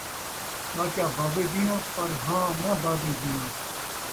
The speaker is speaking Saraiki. چاچا بابے جیہاں پر ہاں ناں بابے جیہاں